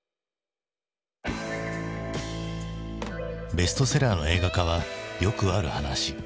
ベストセラーの映画化はよくある話。